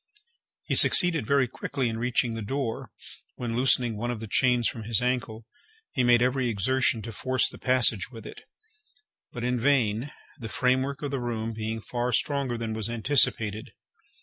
He succeeded very quickly in reaching the door, when, loosening one of the chains from his ankle, he made every exertion to force the passage with it, but in vain, the framework of the room being far stronger than was anticipated.